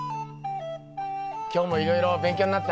今日もいろいろ勉強になったね。